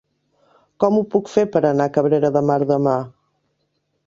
Com ho puc fer per anar a Cabrera de Mar demà?